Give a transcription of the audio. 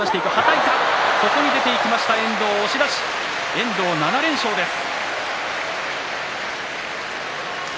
遠藤が７連勝です。